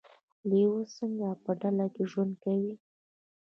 لیوه څنګه په ډله کې ژوند کوي؟